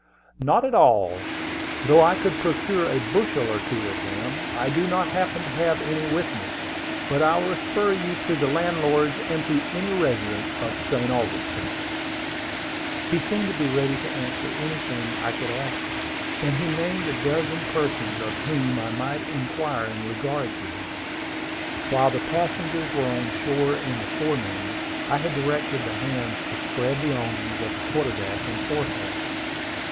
"Not at all. Though I could procure a bushel or two of them, I do not happen to have any with me; but I will refer you to the landlords, and to any resident of St. Augustine." He seemed to be ready to answer anything I could ask him, and he named a dozen persons of whom I might inquire in regard to him. While the passengers were on shore in the forenoon, I had directed the hands to spread the awnings on the quarter deck and forecastle.